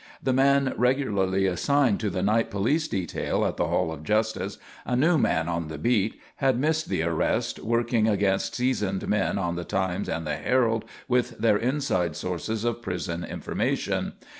The man regularly assigned to the night police detail at the Hall of Justice, a new man on the "beat," had missed the arrest, working against seasoned men on the Times and the Herald with their inside sources of prison information.